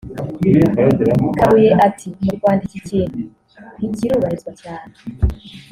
Kabuye ati “Mu Rwanda iki kintu ntikirubahirizwa cyane